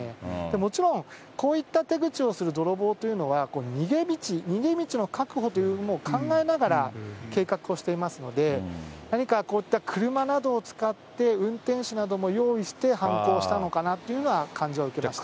もちろん、こういった手口をする泥棒というのは、逃げ道の確保というのも考えながら計画をしていますので、何かこういった車などを使って、運転手なども用意して、犯行したのかなという感じは受けました。